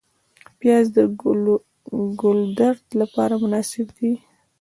پیاز د ګلودرد لپاره مناسب دی